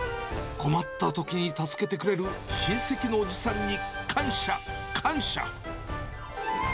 困ったときに助けてくれる親戚のおじさんに感謝、感謝。